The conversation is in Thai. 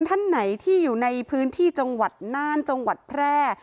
ท่านไหนที่อยู่ในพื้นที่จังหวัดน่านจังหวัดแพร่